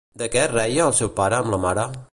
De què es reia el seu pare amb la mare?